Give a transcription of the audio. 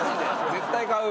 絶対買う！